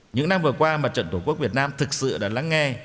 những năm vừa qua mặt trận tổ quốc việt nam thực sự đã lắng nghe